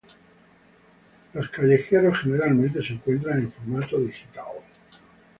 Los callejeros generalmente se encuentran en formato digital.